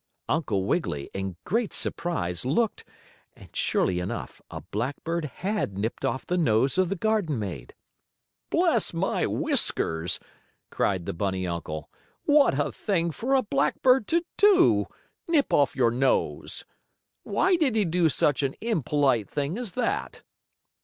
Uncle Wiggily, in great surprise, looked, and, surely enough, a blackbird had nipped off the nose of the garden maid. "Bless my whiskers!" cried the bunny uncle. "What a thing for a blackbird to do nip off your nose! Why did he do such an impolite thing as that?"